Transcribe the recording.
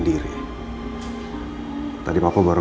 empat hari sudah merata